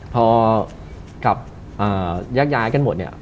พอกับยากย้ายกันหมด